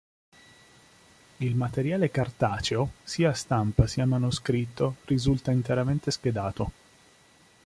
Il materiale cartaceo, sia a stampa sia manoscritto, risulta interamente schedato.